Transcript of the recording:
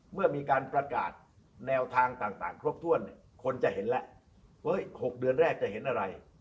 เมื่อมีการประกาศแนวทางต่างครบถ้วนเนี่ยคนจะเห็นแล้ว๖เดือนแรกจะเห็นอะไร